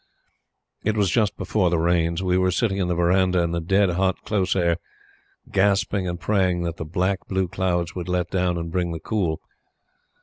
It was just before the Rains. We were sitting in the verandah in the dead, hot, close air, gasping and praying that the black blue clouds would let down and bring the cool.